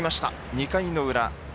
２回の裏。